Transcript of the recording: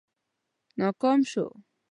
ناکام شو.